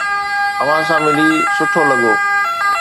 اوھان سان ملي سٺو لڳو.